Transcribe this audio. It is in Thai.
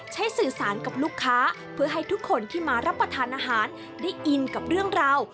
สื่อสารกับลูกค้าเพื่อให้ทุกคนที่มารับประทานอาหารได้อินกับเรื่องราว